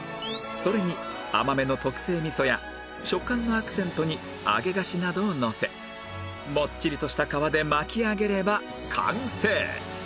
それに甘めの特製味噌や食感のアクセントに揚げ菓子などをのせもっちりとした皮で巻き上げれば完成！